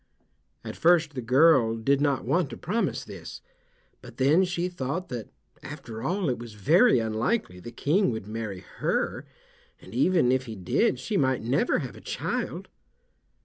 At first the girl did not want to promise this, but then she thought that after all it was very unlikely the King would marry her, and even if he did she might never have a child.